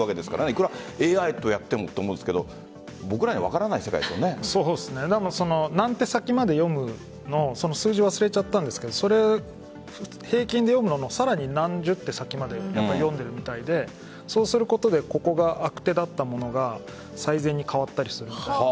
いくらＡＩとやってもと思うんですけど何手先まで読むのか数字を忘れちゃったんですが平均で読むもののさらに何十手先まで読んでいるみたいでそうすることでここから悪手だったものが最善に変わったりする。